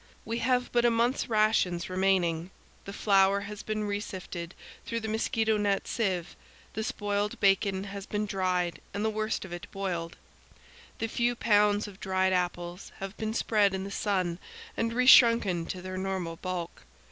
We have but a month's rations remaining. The flour has been resifted through the mosquito net sieve; the spoiled bacon has been dried and the worst of it boiled; the few pounds of dried apples have been spread in the sun and reshrunken to their normal bulk.